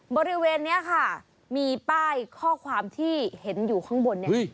บริเวณนี้ค่ะมีป้ายข้อความที่เห็นอยู่ข้างบนเนี่ย